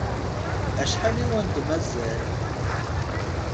Acḥal i wen-d-mazal?